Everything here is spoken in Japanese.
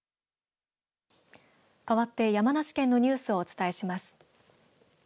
かわって山梨県のニュースをお伝えします。